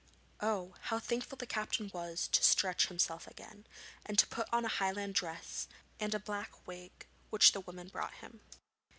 Oh! how thankful the captain was to stretch himself again, and to put on a Highland dress and a black wig which the woman brought him.